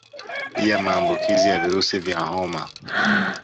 Pia Maambukizi ya virusi vya homa